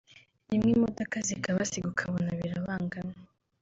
rimwe imodoka zikabasiga ukabona birabangamye